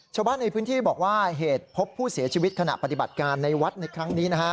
ชาวบ้านในพื้นที่บอกว่าเหตุพบผู้เสียชีวิตขณะปฏิบัติการในวัดในครั้งนี้นะฮะ